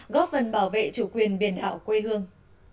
góp phần bảo vệ chủ quyền biển đảo quê hương